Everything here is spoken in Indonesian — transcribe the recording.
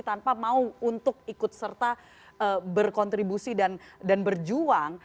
tanpa mau untuk ikut serta berkontribusi dan berjuang